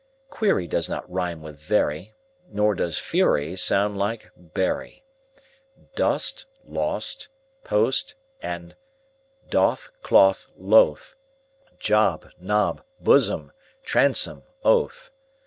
Query does not rime with very, Nor does fury sound like bury. Dost, lost, post and doth, cloth, loth; Job, Job, blossom, bosom, oath.